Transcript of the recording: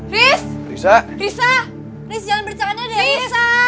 risa kemana sih